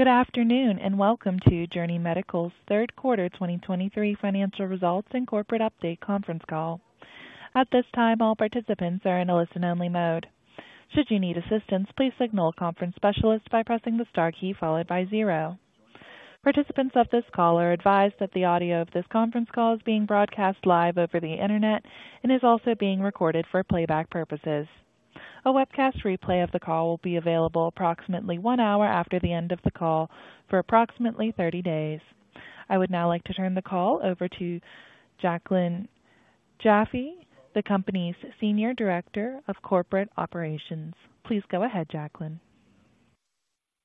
Good afternoon, and welcome to Journey Medical's third quarter 2023 financial results and corporate update conference call. At this time, all participants are in a listen-only mode. Should you need assistance, please signal a conference specialist by pressing the star key followed by zero. Participants of this call are advised that the audio of this conference call is being broadcast live over the Internet and is also being recorded for playback purposes. A webcast replay of the call will be available approximately 1 hour after the end of the call for approximately thirty days. I would now like to turn the call over to Jaclyn Jaffe, the company's Senior Director of Corporate Operations. Please go ahead, Jaclyn.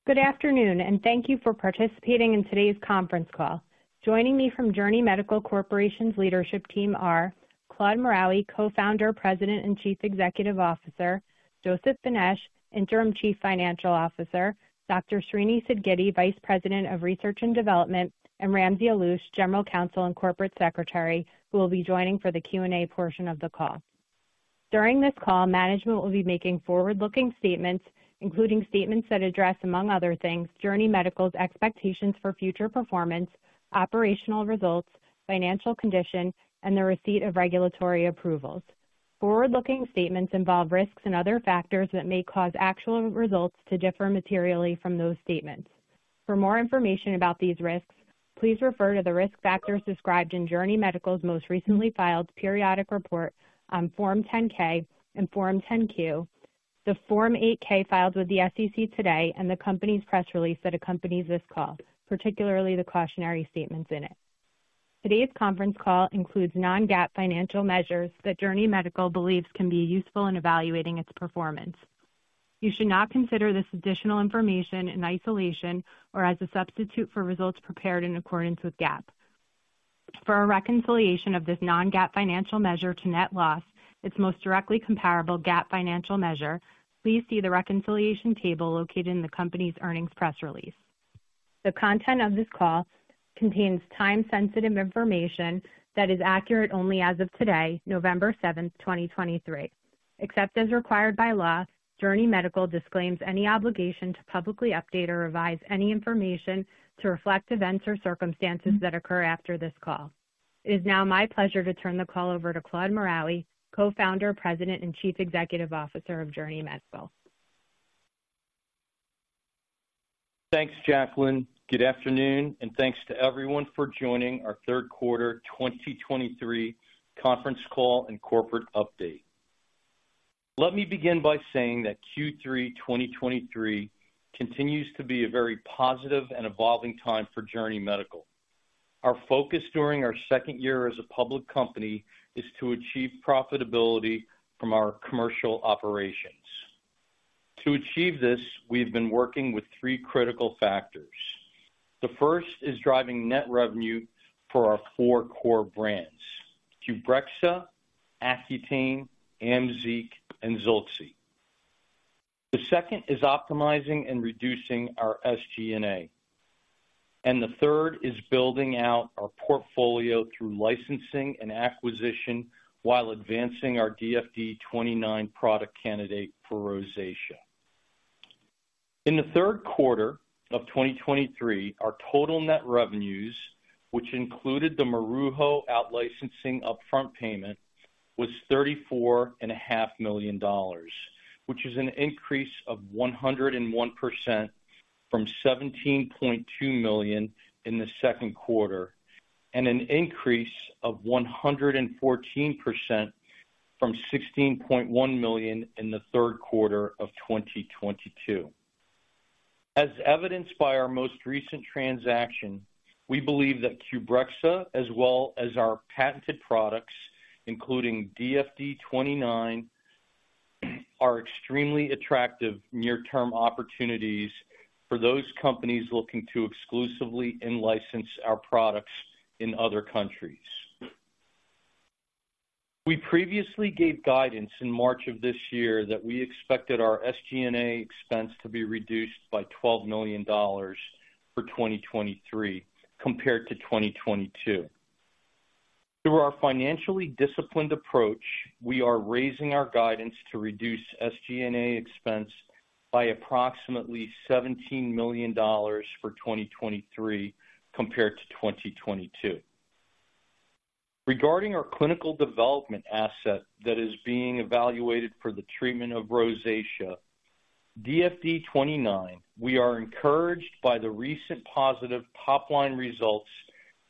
Good afternoon, and thank you for participating in today's conference call. Joining me from Journey Medical Corporation's leadership team are Claude Maraoui, Co-founder, President, and Chief Executive Officer, Joseph Benesch, Interim Chief Financial Officer, Dr. Srinivas Sidgiddi, Vice President of Research and Development, and Ramsey Alloush, General Counsel and Corporate Secretary, who will be joining for the Q&A portion of the call. During this call, management will be making forward-looking statements, including statements that address, among other things, Journey Medical's expectations for future performance, operational results, financial condition, and the receipt of regulatory approvals. Forward-looking statements involve risks and other factors that may cause actual results to differ materially from those statements. For more information about these risks, please refer to the risk factors described in Journey Medical's most recently filed periodic report on Form 10-K and Form 10-Q, the Form 8-K filed with the SEC today, and the company's press release that accompanies this call, particularly the cautionary statements in it. Today's conference call includes non-GAAP financial measures that Journey Medical believes can be useful in evaluating its performance. You should not consider this additional information in isolation or as a substitute for results prepared in accordance with GAAP. For a reconciliation of this non-GAAP financial measure to net loss, its most directly comparable GAAP financial measure, please see the reconciliation table located in the company's earnings press release. The content of this call contains time-sensitive information that is accurate only as of today, November 7, 2023. Except as required by law, Journey Medical disclaims any obligation to publicly update or revise any information to reflect events or circumstances that occur after this call. It is now my pleasure to turn the call over to Claude Maraoui, Co-founder, President, and Chief Executive Officer of Journey Medical. Thanks, Jaclyn. Good afternoon, and thanks to everyone for joining our Q3 2023 conference call and corporate update. Let me begin by saying that Q3 2023 continues to be a very positive and evolving time for Journey Medical. Our focus during our second year as a public company is to achieve profitability from our commercial operations. To achieve this, we've been working with 3 critical factors. The first is driving net revenue for our 4 core brands, Qbrexza, Accutane, Amzeeq, and Zilxi. The second is optimizing and reducing our SG&A. The third is building out our portfolio through licensing and acquisition while advancing our DFD-29 product candidate for rosacea. In the third quarter of 2023, our total net revenues, which included the Maruho out licensing upfront payment, was $34.5 million, which is an increase of 101% from $17.2 million in the second quarter, and an increase of 114% from $16.1 million in the third quarter of 2022. As evidenced by our most recent transaction, we believe that Qbrexza, as well as our patented products, including DFD-29, are extremely attractive near-term opportunities for those companies looking to exclusively in-license our products in other countries. We previously gave guidance in March of this year that we expected our SG&A expense to be reduced by $12 million for 2023 compared to 2022. Through our financially disciplined approach, we are raising our guidance to reduce SG&A expense by approximately $17 million for 2023 compared to 2022. Regarding our clinical development asset that is being evaluated for the treatment of Oracea, DFD-29, we are encouraged by the recent positive top-line results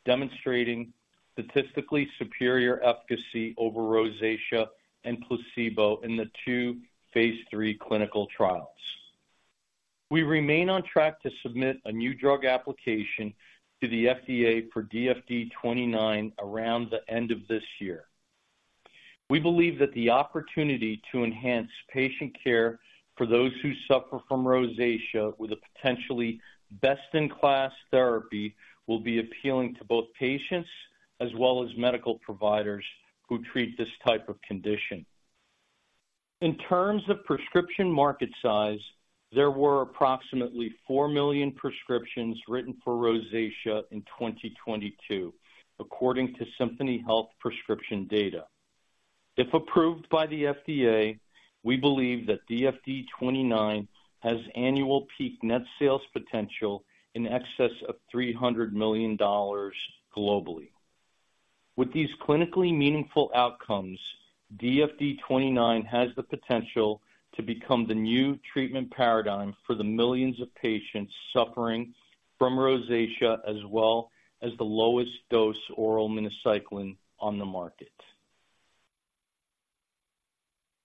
demonstrating statistically superior efficacy over Oracea and placebo in the 2 Phase 3 clinical trials. We remain on track to submit a new drug application to the FDA for DFD-29 around the end of this year. We believe that the opportunity to enhance patient care for those who suffer from Oracea with a potentially best-in-class therapy will be appealing to both patients as well as medical providers who treat this type of condition. In terms of prescription market size, there were approximately 4 million prescriptions written for Oracea in 2022, according to Symphony Health prescription data... If approved by the FDA, we believe that DFD-29 has annual peak net sales potential in excess of $300 million globally. With these clinically meaningful outcomes, DFD-29 has the potential to become the new treatment paradigm for the millions of patients suffering from Oracea, as well as the lowest dose oral minocycline on the market.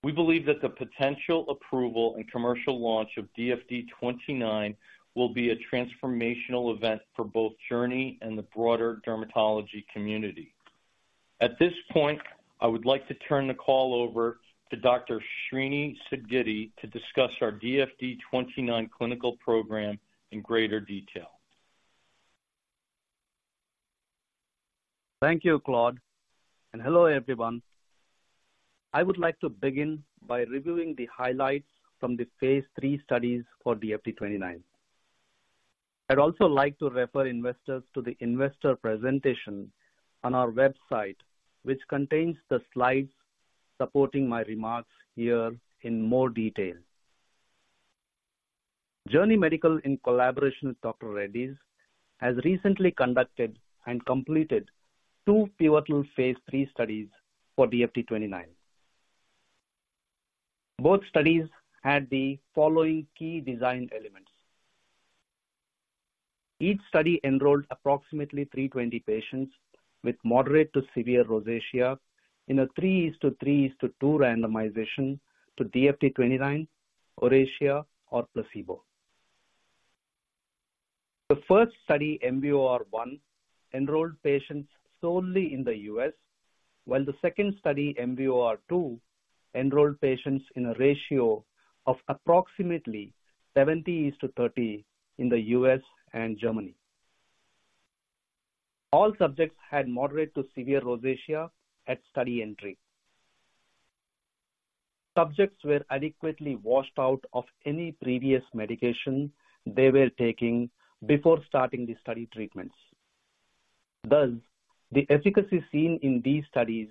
We believe that the potential approval and commercial launch of DFD-29 will be a transformational event for both Journey and the broader dermatology community. At this point, I would like to turn the call over to Dr. Srinivas Sidgiddi to discuss our DFD-29 clinical program in greater detail. Thank you, Claude, and hello, everyone. I would like to begin by reviewing the highlights from the Phase 3 studies for DFD-29. I'd also like to refer investors to the investor presentation on our website, which contains the slides supporting my remarks here in more detail. Journey Medical, in collaboration with Dr. Reddy's, has recently conducted and completed 2 pivotal Phase 3 studies for DFD-29. Both studies had the following key design elements. Each study enrolled approximately 320 patients with moderate to severe Oracea in a 3:3:2 randomization to DFD-29, Oracea, or placebo. The first study, MVOR-1, enrolled patients solely in the U.S., while the second study, MVOR-2, enrolled patients in a ratio of approximately 70:30 in the U.S. and Germany. All subjects had moderate to severe Oracea at study entry. Subjects were adequately washed out of any previous medication they were taking before starting the study treatments. Thus, the efficacy seen in these studies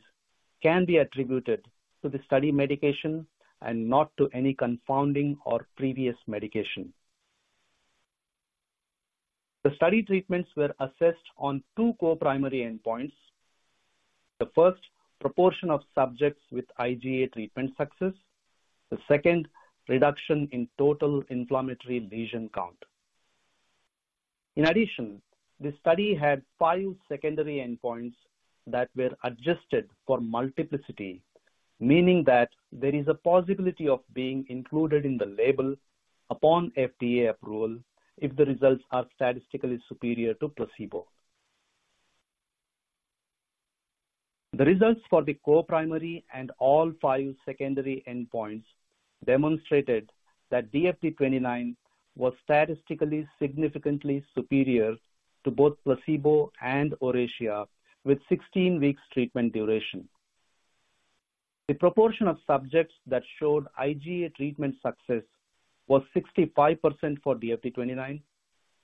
can be attributed to the study medication and not to any confounding or previous medication. The study treatments were assessed on 2 co-primary endpoints. The first, proportion of subjects with IGA treatment success. The second, reduction in total inflammatory lesion count. In addition, the study had 5 secondary endpoints that were adjusted for multiplicity, meaning that there is a possibility of being included in the label upon FDA approval if the results are statistically superior to placebo. The results for the co-primary and all 5 secondary endpoints demonstrated that DFD-29 was statistically significantly superior to both placebo and Oracea with 16 weeks treatment duration. The proportion of subjects that showed IGA treatment success was 65% for DFD-29,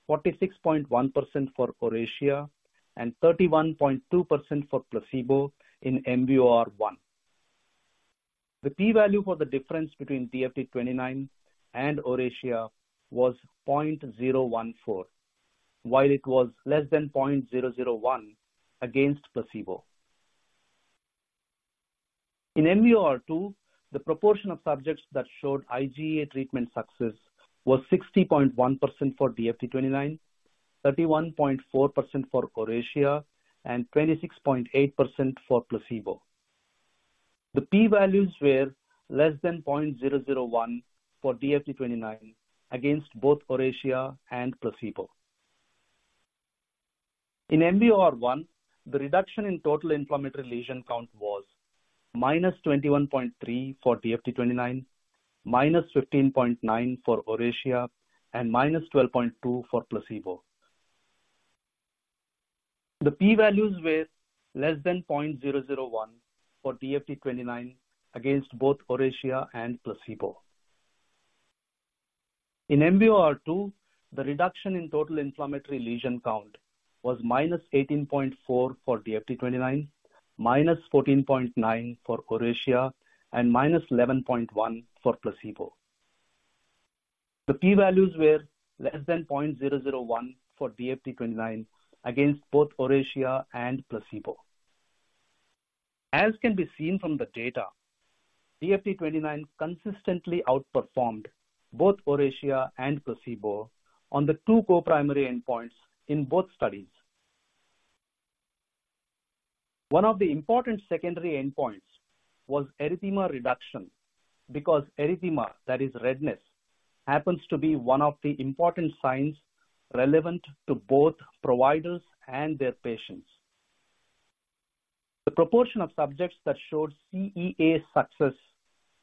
46.1% for Oracea, and 31.2% for placebo in MVOR-1. The P value for the difference between DFD-29 and Oracea was 0.014, while it was less than 0.001 against placebo. In MVOR-2, the proportion of subjects that showed IGA treatment success was 60.1% for DFD-29, 31.4% for Oracea, and 26.8% for placebo. The P values were less than 0.001 for DFD-29 against both Oracea and placebo. In MVOR-1, the reduction in total inflammatory lesion count was -21.3 for DFD-29, -15.9 for Oracea, and -12.2 for placebo. The P values were less than 0.001 for DFD-29 against both Oracea and placebo. In MVOR-2, the reduction in total inflammatory lesion count was -18.4 for DFD-29, -14.9 for Oracea, and -11.1 for placebo. The P values were less than 0.001 for DFD-29 against both Oracea and placebo. As can be seen from the data, DFD-29 consistently outperformed both Oracea and placebo on the 2 co-primary endpoints in both studies. One of the important secondary endpoints was erythema reduction, because erythema, that is redness, happens to be one of the important signs relevant to both providers and their patients. The proportion of subjects that showed CEA success,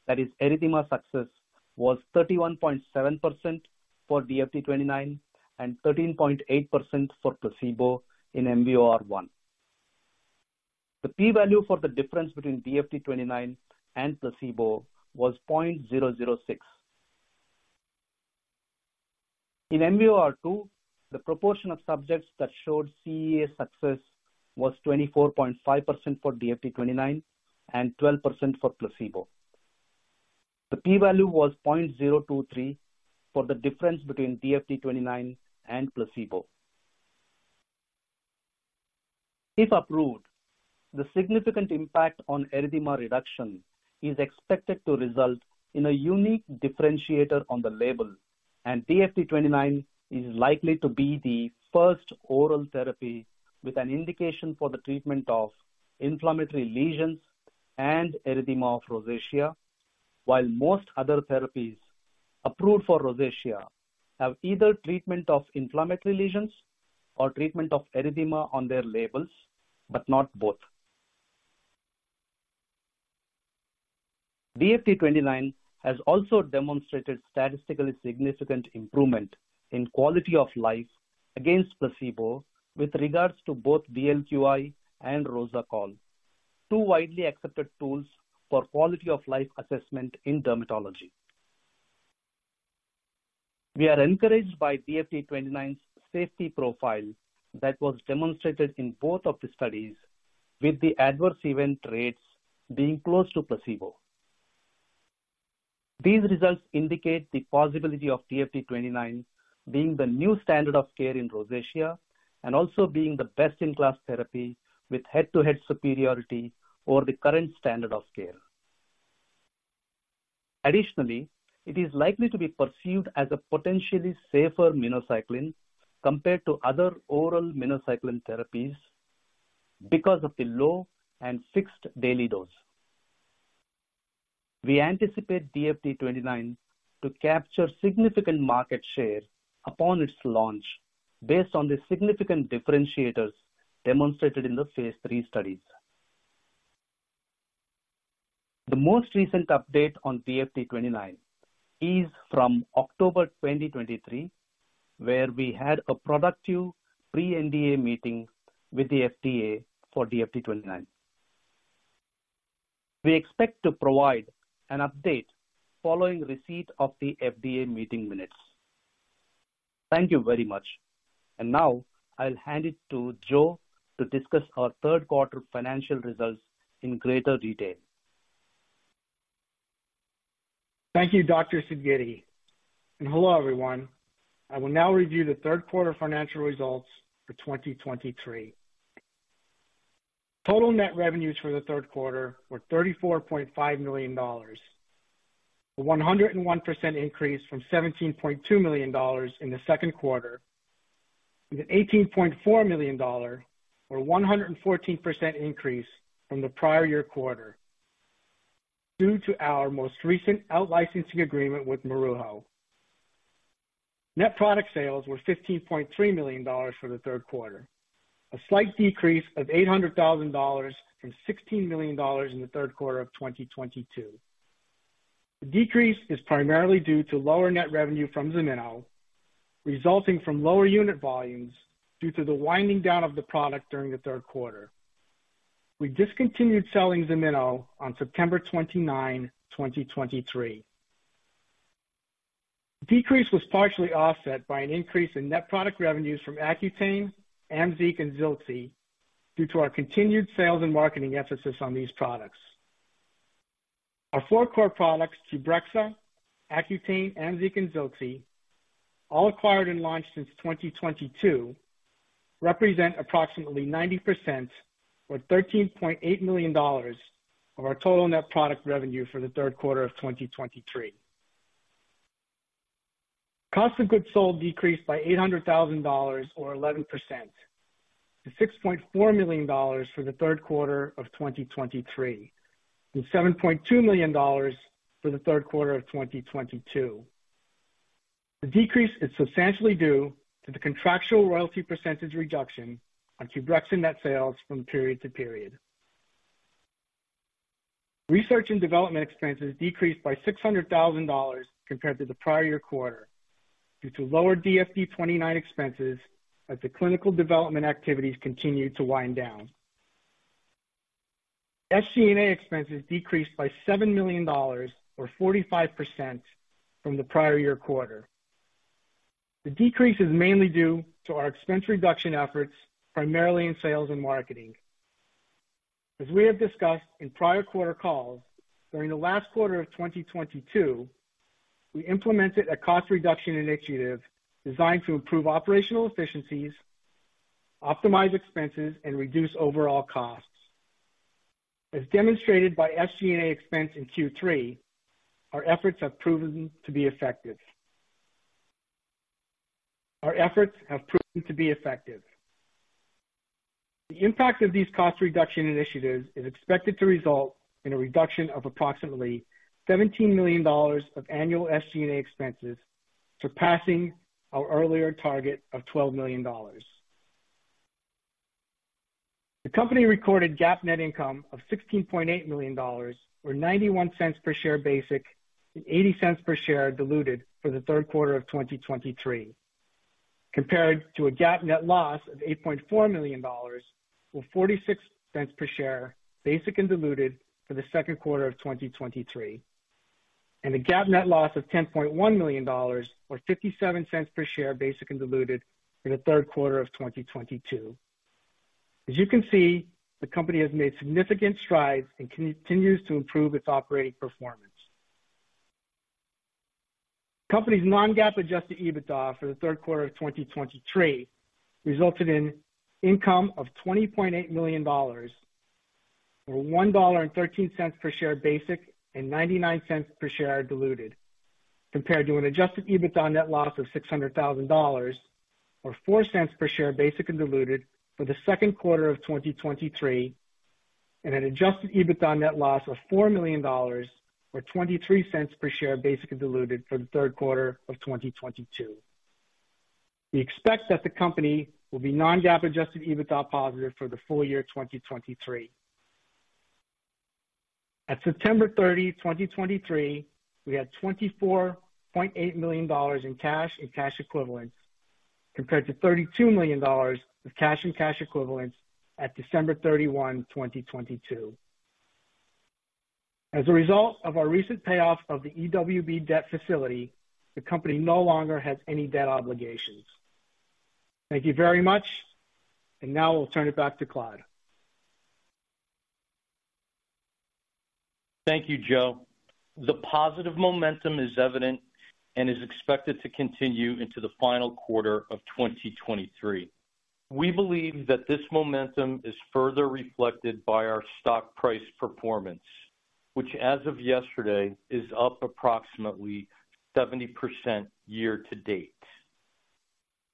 that is erythema success, was 31.7% for DFD-29 and 13.8% for placebo in MVOR-1. The P value for the difference between DFD-29 and placebo was 0.006... In MVOR-2, the proportion of subjects that showed CEA success was 24.5% for DFD-29 and 12% for placebo. The P value was 0.023 for the difference between DFD-29 and placebo. If approved, the significant impact on erythema reduction is expected to result in a unique differentiator on the label, and DFD-29 is likely to be the first oral therapy with an indication for the treatment of inflammatory lesions and erythema of Oracea. While most other therapies approved for Oracea have either treatment of inflammatory lesions or treatment of erythema on their labels, but not both. DFD-29 has also demonstrated statistically significant improvement in quality of life against placebo with regards to both DLQI and RosaQoL, 2 widely accepted tools for quality of life assessment in dermatology. We are encouraged by DFD-29's safety profile that was demonstrated in both of the studies, with the adverse event rates being close to placebo. These results indicate the possibility of DFD-29 being the new standard of care in Oracea and also being the best-in-class therapy with head-to-head superiority over the current standard of care. Additionally, it is likely to be perceived as a potentially safer minocycline compared to other oral minocycline therapies because of the low and fixed daily dose. We anticipate DFD-29 to capture significant market share upon its launch, based on the significant differentiators demonstrated in the Phase 3 studies. The most recent update on DFD-29 is from October 2023, where we had a productive pre-NDA meeting with the FDA for DFD-29. We expect to provide an update following receipt of the FDA meeting minutes. Thank you very much. Now I'll hand it to Joe to discuss our third quarter financial results in greater detail. Thank you, Dr. Sidgiddi, and hello, everyone. I will now review the third quarter financial results for 2023. Total net revenues for the third quarter were $34.5 million, a 101% increase from $17.2 million in the second quarter, and an $18.4 million, or 114% increase from the prior year quarter, due to our most recent out licensing agreement with Maruho. Net product sales were $15.3 million for the third quarter, a slight decrease of $800,000 from $16 million in the third quarter of 2022. The decrease is primarily due to lower net revenue from Ximino, resulting from lower unit volumes due to the winding down of the product during the third quarter. We discontinued selling Ximino on September 29, 2023. The decrease was partially offset by an increase in net product revenues from Accutane, Amzeeq, and Zilxi, due to our continued sales and marketing emphasis on these products. Our 4 core products, Qbrexza, Accutane, Amzeeq, and Zilxi, all acquired and launched since 2022, represent approximately 90%, or $13.8 million of our total net product revenue for the third quarter of 2023. Cost of goods sold decreased by $800,000, or 11%, to $6.4 million for the third quarter of 2023, and $7.2 million for the third quarter of 2022. The decrease is substantially due to the contractual royalty percentage reduction on Qbrexza net sales from period to period. Research and development expenses decreased by $600,000 compared to the prior year quarter, due to lower DFD-29 expenses as the clinical development activities continued to wind down. SG&A expenses decreased by $7 million, or 45%, from the prior year quarter. The decrease is mainly due to our expense reduction efforts, primarily in sales and marketing. As we have discussed in prior quarter calls, during the last quarter of 2022, we implemented a cost reduction initiative designed to improve operational efficiencies, optimize expenses and reduce overall costs. As demonstrated by SG&A expense in Q3, our efforts have proven to be effective. Our efforts have proven to be effective. The impact of these cost reduction initiatives is expected to result in a reduction of approximately $17 million of annual SG&A expenses, surpassing our earlier target of $12 million. The company recorded GAAP net income of $16.8 million, or $0.91 per share basic, and $0.80 per share diluted for the third quarter of 2023, compared to a GAAP net loss of $8.4 million, or $0.46 per share, basic and diluted for the second quarter of 2023. And a GAAP net loss of $10.1 million or $0.57 per share, basic and diluted for the third quarter of 2022. As you can see, the company has made significant strides and continues to improve its operating performance. Company's non-GAAP adjusted EBITDA for the third quarter of 2023 resulted in income of $20.8 million, or $1.13 per share basic and $0.99 per share diluted, compared to an adjusted EBITDA net loss of $600,000 or $0.04 per share, basic and diluted for the second quarter of 2023, and an adjusted EBITDA net loss of $4 million or $0.23 per share, basic and diluted for the third quarter of 2022. We expect that the company will be non-GAAP adjusted EBITDA positive for the full year of 2023. At September 30, 2023, we had $24.8 million in cash and cash equivalents, compared to $32 million of cash and cash equivalents at December 31, 2022. As a result of our recent payoff of the EWB debt facility, the company no longer has any debt obligations. Thank you very much. Now I'll turn it back to Claude. Thank you, Joe. The positive momentum is evident and is expected to continue into the final quarter of 2023. We believe that this momentum is further reflected by our stock price performance, which as of yesterday, is up approximately 70% year to date.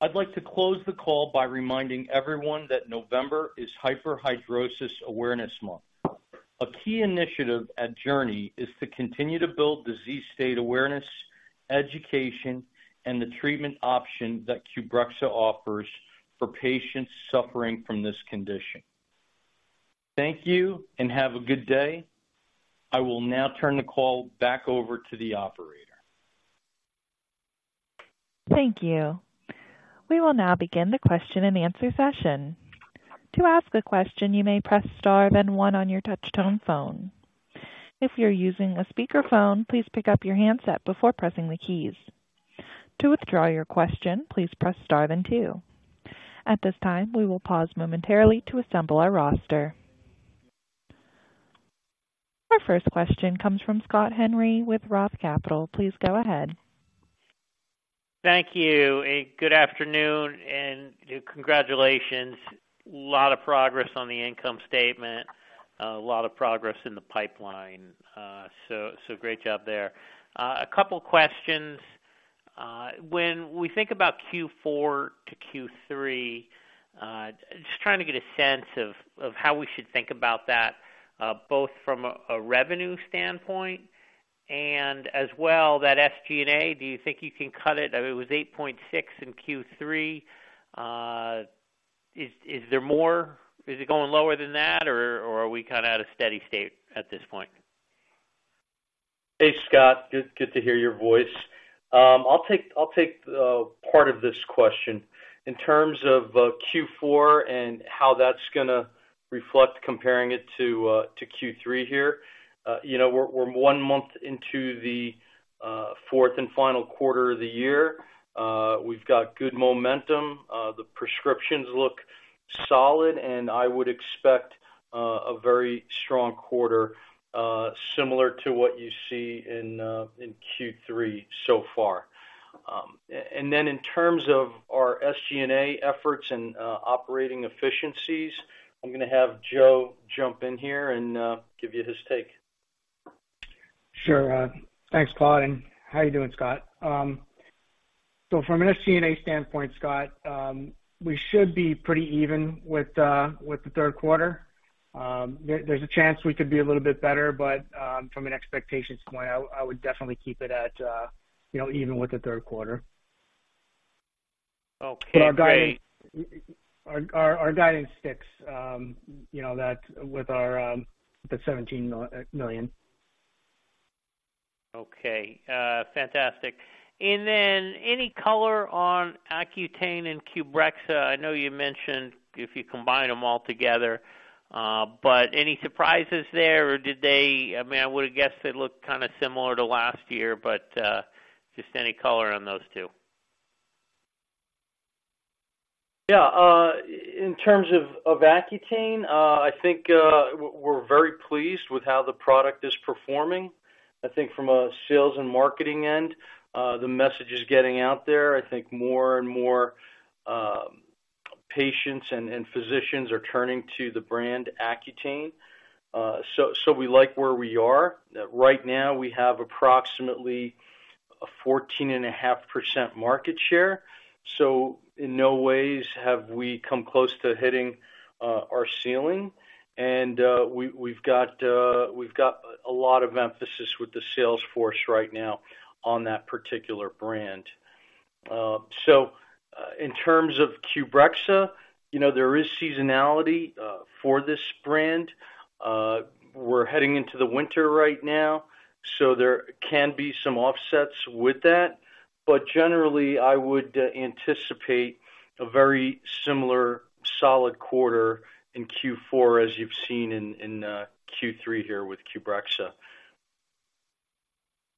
I'd like to close the call by reminding everyone that November is Hyperhidrosis Awareness Month. A key initiative at Journey is to continue to build disease state awareness, education, and the treatment option that Qbrexza offers for patients suffering from this condition. Thank you and have a good day. I will now turn the call back over to the operator. Thank you. We will now begin the question and answer session. To ask a question, you may press star then 1 on your touchtone phone. If you're using a speakerphone, please pick up your handset before pressing the keys. To withdraw your question, please press star then 2. At this time, we will pause momentarily to assemble our roster. Our first question comes from Scott Henry with Roth Capital. Please go ahead. Thank you, and good afternoon, and congratulations. A lot of progress on the income statement. A lot of progress in the pipeline. So, great job there. A couple questions. When we think about Q4 to Q3, just trying to get a sense of how we should think about that, both from a revenue standpoint and as well, that SG&A, do you think you can cut it? It was $8.6 in Q3. Is there more? Is it going lower than that, or are we kind of at a steady state at this point? Hey, Scott, good, good to hear your voice. I'll take, I'll take, part of this question. In terms of, Q4 and how that's gonna reflect comparing it to, to Q3 here. You know, we're, we're 1 month into the, fourth and final quarter of the year. We've got good momentum. The prescriptions look solid, and I would expect, a very strong quarter, similar to what you see in, in Q3 so far. And then in terms of our SG&A efforts and, operating efficiencies, I'm gonna have Joe jump in here and, give you his take. Sure, thanks, Claude, and how are you doing, Scott? So from an SG&A standpoint, Scott, we should be pretty even with, with the third quarter. There's a chance we could be a little bit better, but, from an expectations point, I would definitely keep it at, you know, even with the third quarter. Okay, great. Our guidance sticks, you know, that with our $17 million. Okay, fantastic. And then any color on Accutane and Qbrexza? I know you mentioned if you combine them all together, but any surprises there, or did they... I mean, I would have guessed they looked kinda similar to last year, but, just any color on those 2. Yeah, in terms of Accutane, I think we're very pleased with how the product is performing. I think from a sales and marketing end, the message is getting out there. I think more and more patients and physicians are turning to the brand Accutane. So we like where we are. Right now, we have approximately a 14.5% market share, so in no ways have we come close to hitting our ceiling. We've got a lot of emphasis with the sales force right now on that particular brand. In terms of Qbrexza, you know, there is seasonality for this brand. We're heading into the winter right now.... So there can be some offsets with that, but generally, I would anticipate a very similar solid quarter in Q4 as you've seen in Q3 here with Qbrexza.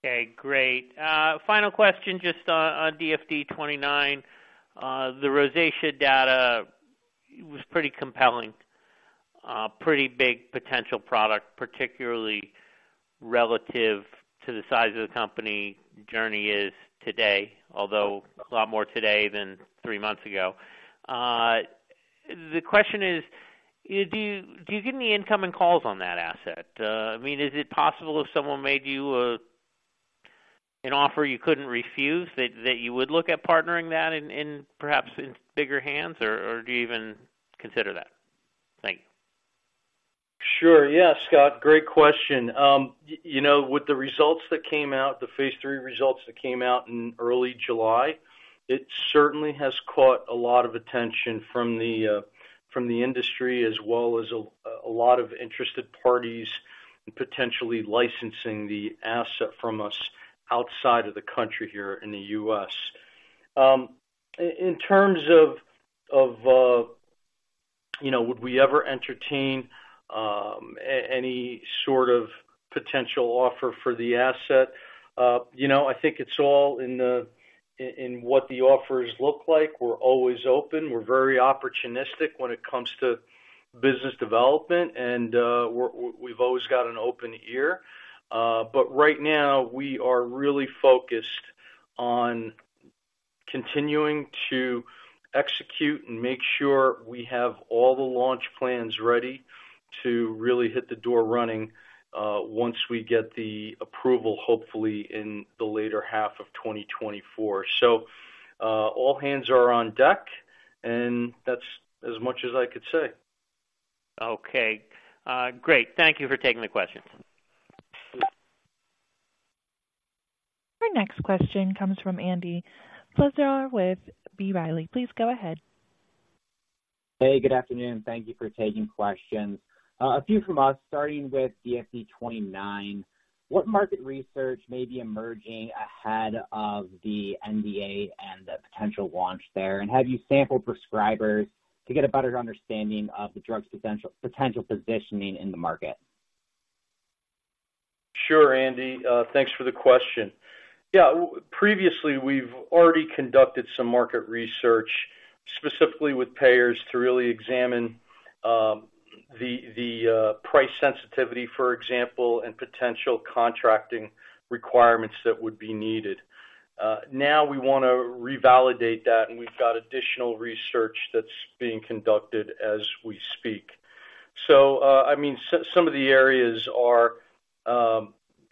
Okay, great. Final question, just on DFD-29. The Oracea data was pretty compelling. Pretty big potential product, particularly relative to the size of the company Journey is today, although a lot more today than 3 months ago. The question is: do you get any incoming calls on that asset? I mean, is it possible if someone made you an offer you couldn't refuse, that you would look at partnering that in perhaps bigger hands, or do you even consider that? Thank you. Sure. Yeah, Scott, great question. You know, with the results that came out, the Phase 3 results that came out in early July, it certainly has caught a lot of attention from the industry, as well as a lot of interested parties in potentially licensing the asset from us outside of the country here in the U.S. In terms of, you know, would we ever entertain any sort of potential offer for the asset? You know, I think it's all in the, in what the offers look like. We're always open. We're very opportunistic when it comes to business development, and we're, we've always got an open ear. But right now, we are really focused on continuing to execute and make sure we have all the launch plans ready to really hit the door running, once we get the approval, hopefully in the later half of 2024. So, all hands are on deck, and that's as much as I could say. Okay, great. Thank you for taking the question. Our next question comes from Lucas Ward with B. Riley. Please go ahead. Hey, good afternoon. Thank you for taking questions. A few from us, starting with DFD-29. What market research may be emerging ahead of the NDA and the potential launch there? And have you sampled prescribers to get a better understanding of the drug's potential, potential positioning in the market? Sure, Andy, thanks for the question. Yeah, previously, we've already conducted some market research, specifically with payers, to really examine the price sensitivity, for example, and potential contracting requirements that would be needed. Now we wanna revalidate that, and we've got additional research that's being conducted as we speak. So, I mean, some of the areas are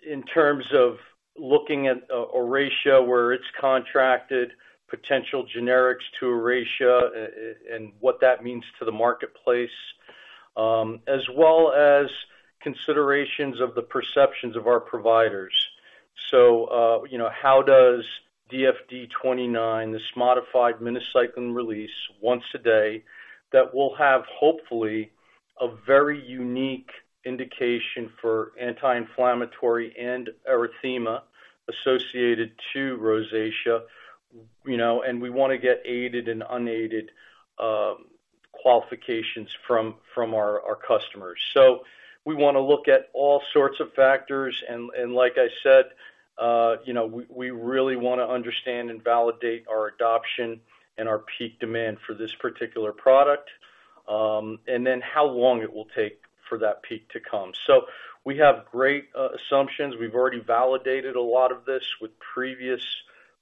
in terms of looking at Oracea, where it's contracted, potential generics to Oracea, and what that means to the marketplace, as well as considerations of the perceptions of our providers. So, you know, how does DFD-29, this modified minocycline release once a day, that will have, hopefully, a very unique indication for anti-inflammatory and erythema associated to Oracea. You know, and we wanna get aided and unaided qualifications from our customers. So we wanna look at all sorts of factors, and like I said, you know, we really wanna understand and validate our adoption and our peak demand for this particular product, and then how long it will take for that peak to come. So we have great assumptions. We've already validated a lot of this with previous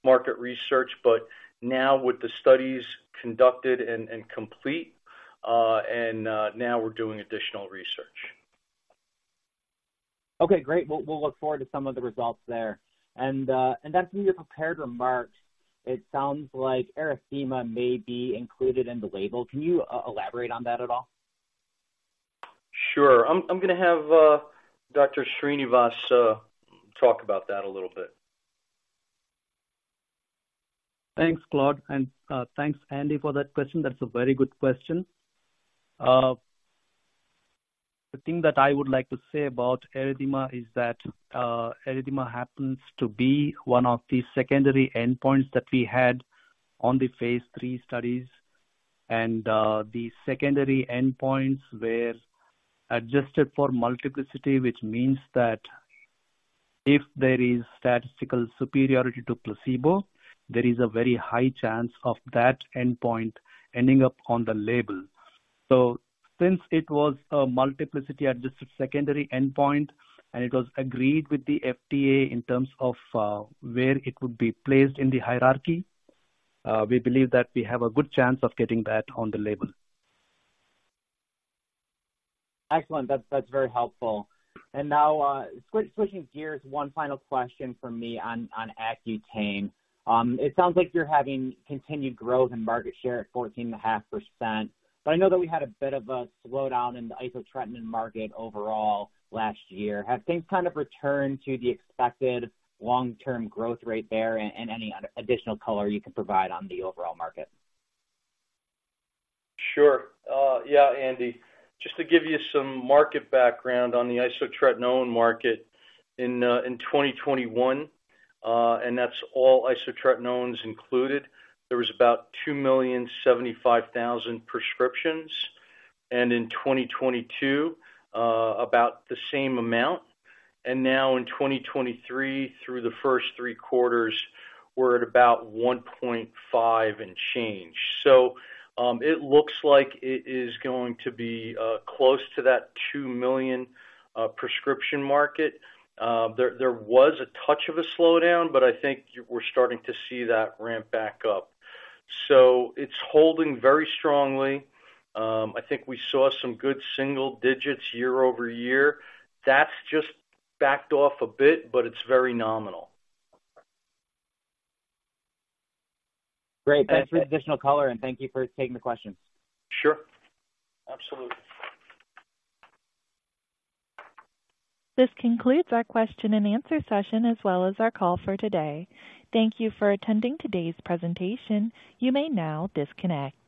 market research, but now with the studies conducted and complete, and now we're doing additional research. Okay, great. We'll, we'll look forward to some of the results there. And, and then to your prepared remarks, it sounds like erythema may be included in the label. Can you, elaborate on that at all? Sure. I'm gonna have Dr. Srinivas talk about that a little bit. Thanks, Claude, and, thanks, Andy, for that question. That's a very good question. The thing that I would like to say about erythema is that, erythema happens to be one of the secondary endpoints that we had on the Phase 3 studies. And, the secondary endpoints were adjusted for multiplicity, which means that if there is statistical superiority to placebo, there is a very high chance of that endpoint ending up on the label. So since it was a multiplicity-adjusted secondary endpoint, and it was agreed with the FDA in terms of, where it would be placed in the hierarchy, we believe that we have a good chance of getting that on the label. Excellent. That's very helpful. And now, switching gears, one final question from me on Accutane. It sounds like you're having continued growth in market share at 14.5%, but I know that we had a bit of a slowdown in the isotretinoin market overall last year. Have things kind of returned to the expected long-term growth rate there and any other additional color you can provide on the overall market? Sure. Yeah, Andy, just to give you some market background on the isotretinoin market, in 2021, and that's all isotretinoins included, there was about 2,075,000 prescriptions, and in 2022, about the same amount. And now in 2023, through the first 3 quarters, we're at about 1.5 and change. So, it looks like it is going to be close to that 2 million prescription market. There was a touch of a slowdown, but I think we're starting to see that ramp back up. So it's holding very strongly. I think we saw some good single digits year-over-year. That's just backed off a bit, but it's very nominal. Great. Thanks for the additional color, and thank you for taking the questions. Sure. Absolutely. This concludes our question-and-answer session, as well as our call for today. Thank you for attending today's presentation. You may now disconnect.